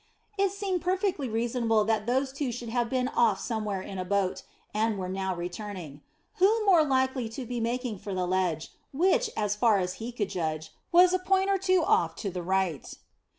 It seemed perfectly reasonable that those two should have been off somewhere in a boat, and were now returning. Who more likely to be making for the ledge, which, as far as he could judge, was a point or two off to the right.